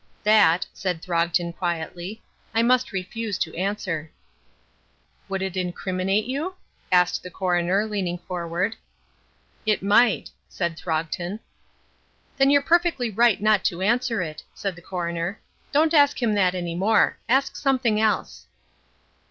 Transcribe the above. "That," said Throgton quietly, "I must refuse to answer." "Would it incriminate you?" asked the coroner, leaning forward. "It might," said Throgton. "Then you're perfectly right not to answer it," said the coroner. "Don't ask him that any more. Ask something else."